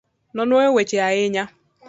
Nonuoyo wehe ahinya